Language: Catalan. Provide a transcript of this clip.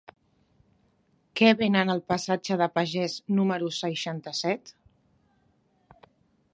Què venen al passatge de Pagès número seixanta-set?